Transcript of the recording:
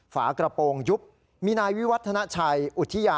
ฝากระโปรงยุบมีนายวิวัฒนาชัยอุทิยา